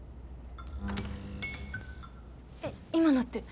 えっ今のって。